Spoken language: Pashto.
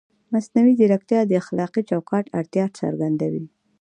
مصنوعي ځیرکتیا د اخلاقي چوکاټ اړتیا څرګندوي.